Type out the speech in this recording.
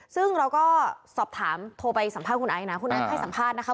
ซึ่งเราก็สอบถามโทรไปสัมภาษณ์คุณไอซ์นะคุณไอซ์ให้สัมภาษณ์นะคะ